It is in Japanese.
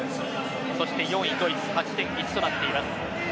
そして４位ドイツ勝ち点１となっています。